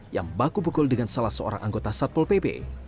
yang baku pukul dengan salah seorang anggota satpol pp